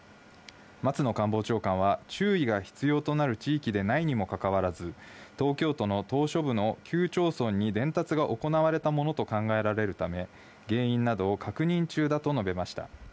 松野官房長官は、注意が必要となる地域でないにもかかわらず、東京都の島しょ部の９町村に伝達が行われたものと考えられるため、原因などを確認中だと述べました。